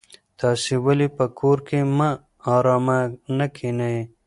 تاسو ولې په کور کې په ارامه نه کېنئ؟